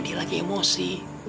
dia lagi emosi